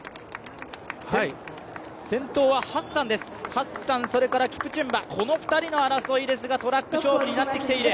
先頭はハッサンです、キプチュンバ、この２人の争いですがトラック勝負になってきている。